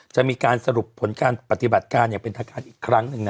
จะมีการสรุปผลการปฏิบัติการอย่างเป็นทางการอีกครั้งหนึ่งนะ